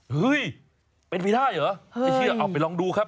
เฮ้ยเป็นผิดได้เหรอเอาไปลองดูครับ